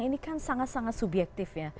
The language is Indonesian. ini kan sangat sangat subjektif ya